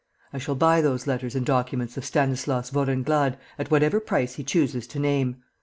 I shall buy those letters and documents of Stanislas Vorenglade at whatever price he chooses to name.